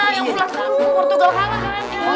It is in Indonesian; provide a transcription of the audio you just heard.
yang bola portugal